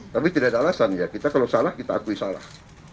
tapi tidak ada alasan ya kita kalau salah kita akui salah